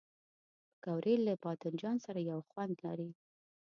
پکورې له بادنجان سره یو خوند لري